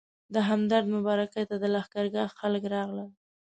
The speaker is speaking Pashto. د همدرد مبارکۍ ته د لښکرګاه خلک راغلل.